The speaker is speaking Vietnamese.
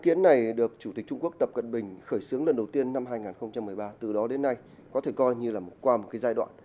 hội kiến này được chủ tịch trung quốc tập cận bình khởi xướng lần đầu tiên năm hai nghìn một mươi ba từ đó đến nay có thể coi như là qua một giai đoạn